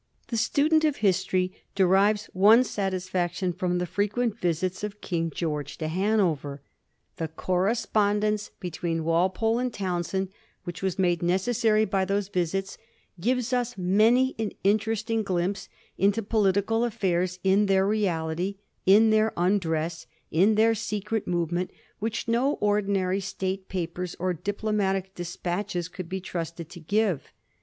The student of history derives one satisfaction firom the firequent visits of King George to Hanover, Digiti zed by Google 330 A HISTORY OF THE FOUR GEORGEa ch. xvi. The correspondence between Walpole and Townshend which was made necessary by those visits gives us many an interesting glimpse into political affairs in their reality, in their undress, in their secret move ment, which no ordinary State papers or diplomatic despatches could be trusted to give.